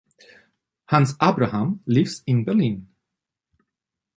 Hans Abraham lives in Berlin.